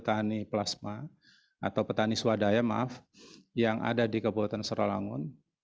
dua puluh satu petani plasma atau petani swadaya maaf yang ada di kabupaten sarawangun